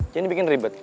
jangan dibikin ribet